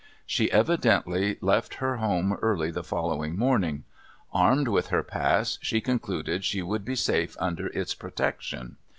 She evidently left her home early the following morning. Armed with her pass, she concluded she would be safe under its protection.